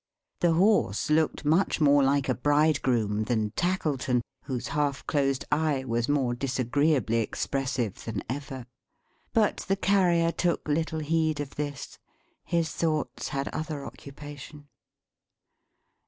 The horse looked much more like a Bridegroom than Tackleton: whose half closed eye was more disagreeably expressive than ever. But the Carrier took little heed of this. His thoughts had other occupation.